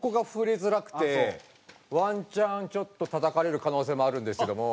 ワンチャンちょっとたたかれる可能性もあるんですけども。